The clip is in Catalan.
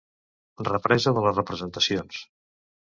Represa de les representacions.